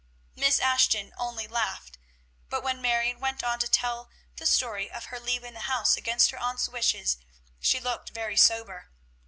Miss Ashton only laughed; but when Marion went on to tell the story of her leaving the house against her aunt's wishes, she looked very sober.